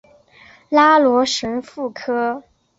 拉罗什富科。